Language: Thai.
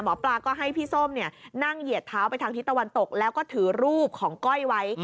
หมอปลาก็ให้พี่ส้มนั่งเหยียดเท้าไปทางทิศตะวันตกแล้วก็ถือรูปของก้อยไว้